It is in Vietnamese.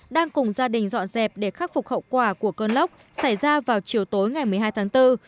đang cùng gia đình dọn dẹp để khắc phục hậu quả của cơn lốc xảy ra vào chiều tối ngày một mươi hai tháng bốn